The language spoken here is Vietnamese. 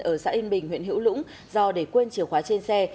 ở xã yên bình huyện hữu lũng do để quên chìa khóa trên xe